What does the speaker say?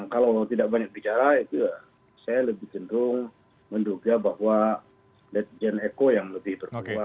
kalau tidak banyak bicara saya lebih cenderung menduga bahwa jeneko yang lebih terkeluar